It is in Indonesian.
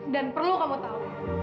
dan perlu kamu tahu